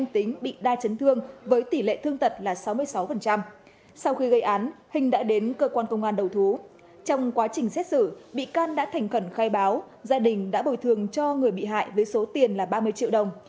trong quá trình xét xử bị can đã thành khẩn khai báo gia đình đã bồi thường cho người bị hại với số tiền là ba mươi triệu đồng